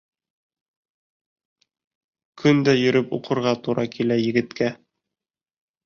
Көн дә йөрөп уҡырға тура килә егеткә.